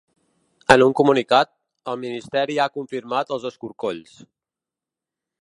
En un comunicat, el ministeri ha confirmat els escorcolls.